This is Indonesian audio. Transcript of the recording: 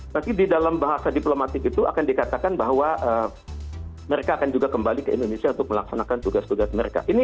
tapi di dalam bahasa diplomatik itu akan dikatakan bahwa mereka akan juga kembali ke indonesia untuk melaksanakan tugas tugas mereka